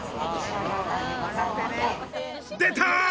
出た！